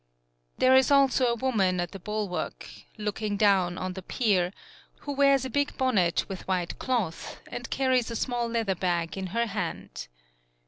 There is also a woman at the bul wark, looking down on the pier, who wears a big bonnet with white cloth and carries a small leather bag in her hand.